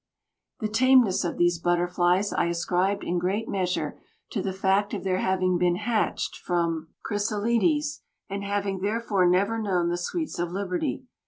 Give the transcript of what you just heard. The tameness of these butterflies I ascribed in great measure to the fact of their having been hatched from chrysalides, and having therefore never known the sweets of liberty.